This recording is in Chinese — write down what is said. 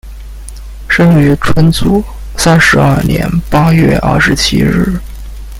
生于纯祖三十二年八月二十七日。